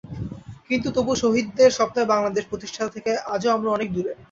কিন্তু তবু শহীদদের স্বপ্নের বাংলাদেশ প্রতিষ্ঠা থেকে আজও আমরা অনেক দূরে।